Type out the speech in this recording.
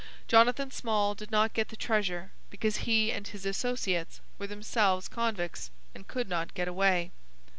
Jonathan Small did not get the treasure because he and his associates were themselves convicts and could not get away."